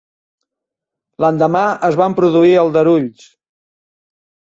L'endemà es van produir aldarulls.